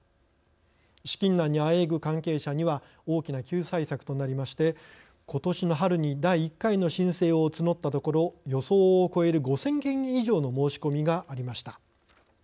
資金難にあえぐ関係者には大きな救済策となりましてことしの春に第１回の申請を募ったところ予想を超える５，０００件以上の申し込みがありました。